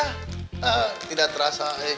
hehehe tidak terasa